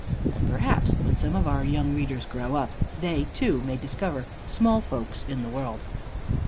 And perhaps when some of our young readers grow up, they, too, may discover small folks in the world.